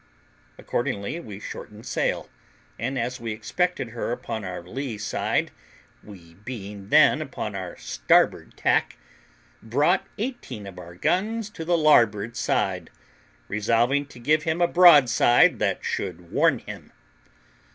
Accordingly we shortened sail, and as we expected her upon our lee side, we being then upon our starboard tack, brought eighteen of our guns to the larboard side, resolving to give him a broadside that should warm him.